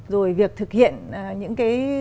rồi việc thực hiện những cái